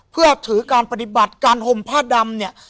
เพื่อถือการปฏิบัติการห่มผ้าดำเนี่ย